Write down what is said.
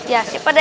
ya siap pak d